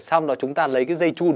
xong rồi chúng ta lấy cái dây chun